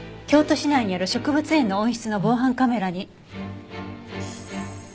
京都市内にある植物園の温室の防犯カメラに。